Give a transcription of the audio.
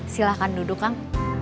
silahkan duduk kang